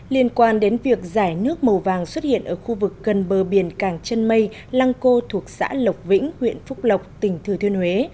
liên quan đến việc giải nước màu vàng xuất hiện ở khu vực gần bờ biển cảng chân mây lăng cô thuộc xã lộc vĩnh huyện phúc lộc tỉnh thừa thiên huế